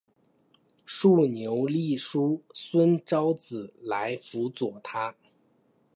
竖牛立叔孙昭子来辅佐他。